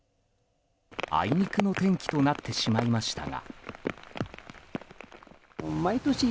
あいにくの天気となってしまいましたが。